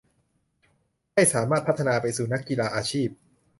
ให้สามารถพัฒนาไปสู่นักกีฬาอาชีพ